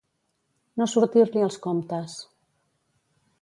No sortir-li els comptes.